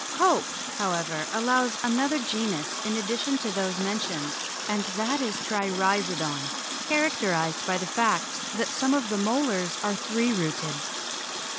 Cope, however, allows another genus in addition to those mentioned, and that is Trirhizodon, characterised by the fact that some of the molars are three rooted.